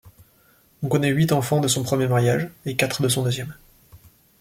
On connait huit enfants de son premier mariage et quatre de son deuxième.